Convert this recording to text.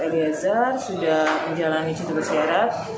eliezer sudah menjalani cuti bersyarat